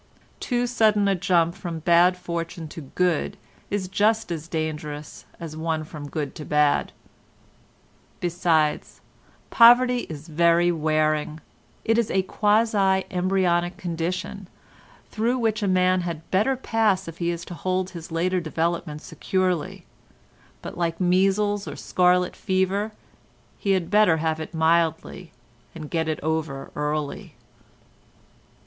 Too sudden a jump from bad fortune to good is just as dangerous as one from good to bad; besides, poverty is very wearing; it is a quasi embryonic condition, through which a man had better pass if he is to hold his later developments securely, but like measles or scarlet fever he had better have it mildly and get it over early.